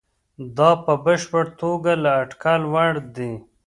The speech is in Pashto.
دا په بشپړه توګه د اټکل وړ دي.